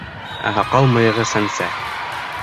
Ә һаҡал-мыйығы сәнсә.